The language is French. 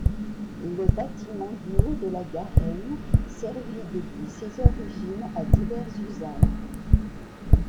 Le bâtiment du Haut de la Garenne, servit depuis ses origines à divers usages.